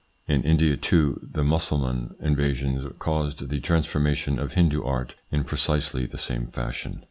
In India, too, the Mussulman invasions caused the transformation of Hindoo art in precisely the same fashion.